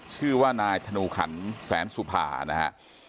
ชื่อว่านายธนูขันแสนสุภานะฮะ